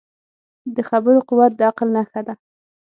د خبرو قوت د عقل نښه ده